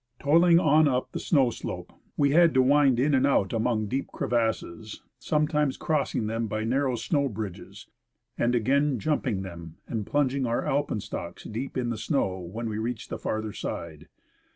Toiling on up the snow slope, we had to wind in and out among deep crevasses, sometimes crossing them by narrow snow bridges, and again jumping them and plunging our alpenstocks deep in the snow when we reached the farther side.